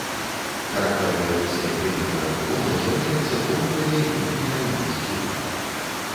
Характэрнай рысай вялікага кулона з'яўляецца доўгая і выгнутая ўніз дзюба.